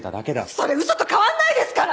それ嘘と変わんないですから！